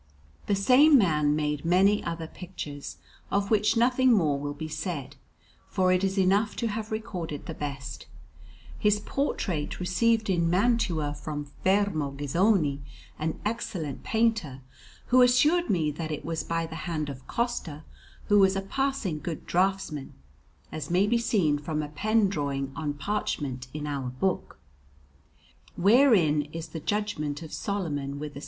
The same man made many other pictures, of which nothing more will be said, for it is enough to have recorded the best. His portrait I received in Mantua from Fermo Ghisoni, an excellent painter, who assured me that it was by the hand of Costa, who was a passing good draughtsman, as may be seen from a pen drawing on parchment in our book, wherein is the Judgment of Solomon, with a S.